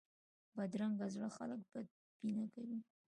بدرنګه زړه خلک بدبینه کوي